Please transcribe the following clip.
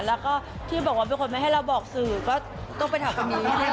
แล้วก็ที่บอกว่าเป็นคนไม่ให้เราบอกสื่อก็ต้องไปถามคนนี้